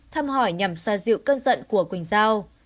thăm hỏi nhằm xoa dịu cân giận của quỳnh giao